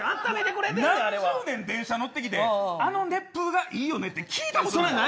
何十年電車乗ってきてあの熱風がいいって聞いたことない。